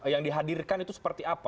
yang dihadirkan itu seperti apa